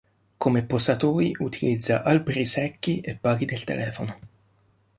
Come posatoi utilizza alberi secchi e pali del telefono.